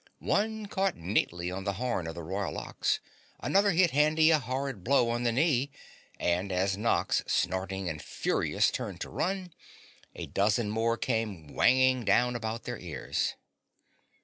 One caught neatly on the horn of the Royal Ox, another hit Handy a horrid blow on the knee, and as Nox, snorting and furious turned to run, a dozen more came whanging down about their ears.